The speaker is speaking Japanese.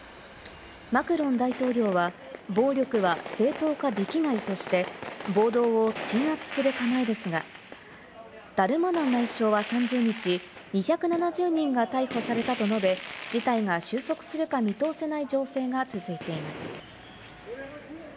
マクロン大統領は暴力は正当化できないとして、暴動を鎮圧する構えですが、ダルマナン内相は３０日、２７０人が逮捕されたと述べ、事態が収束するか見通せない情勢が続いています。